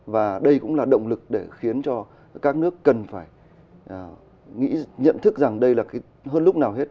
và đây cũng là động lực để khiến cho các nước cần phải nhận thức rằng đây là hơn lúc nào hết